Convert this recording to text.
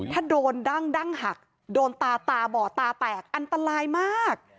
ถ้าโดนดั้งดั้งหักโดนตาตาบอดตาแตกอันตรายมาก